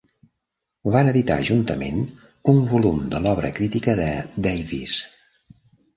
Van editar juntament un volum de l'obra crítica de Davies.